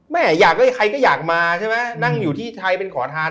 แม่อยากให้ใครก็อยากมาใช่ไหมนั่งอยู่ที่ไทยเป็นขอทาน